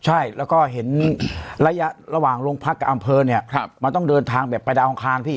ใช่แล้วก็เห็นระยะระหว่างโรงพักษณ์กับอำเภอมันต้องเดินทางแบบไปดาวของคลาน